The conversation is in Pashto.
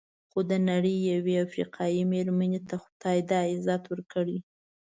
خو د نړۍ یوې افریقایي مېرمنې ته خدای دا عزت ورکړی.